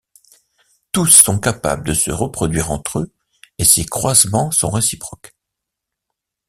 Tous sont capables de se reproduire entre eux et ces croisements sont réciproques.